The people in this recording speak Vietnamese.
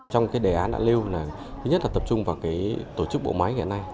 trong đề án đã lưu thứ nhất là tập trung vào tổ chức bộ máy hiện nay